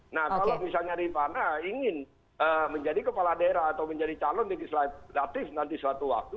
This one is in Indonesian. nah kalau misalnya rifana ingin menjadi kepala daerah atau menjadi calon legislatif nanti suatu waktu